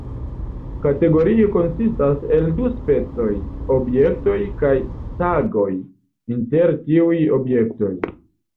Kategorio konsistas el du specoj: "objektoj" kaj "sagoj" inter tiuj objektoj.